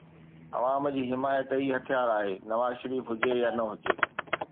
عوام جي حمايت ئي هٿيار آهي، نواز شريف هجي يا نه هجي